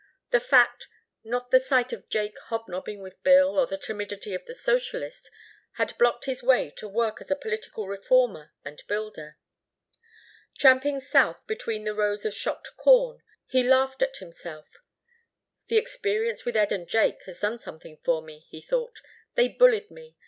The fact, not the sight of Jake hobnobbing with Bill or the timidity of the socialist, had blocked his way to work as a political reformer and builder. Tramping south between the rows of shocked corn he laughed at himself. "The experience with Ed and Jake has done something for me," he thought. "They bullied me.